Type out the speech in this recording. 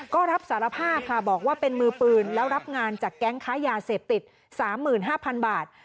ก็รับสารภาพค่ะบอกว่าเป็นมือปืนแล้วรับงานจากแก๊งค้ายาเสพติด๓๕๐๐๐บาท